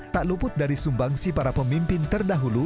tak luput dari sumbangsi para pemimpin terdahulu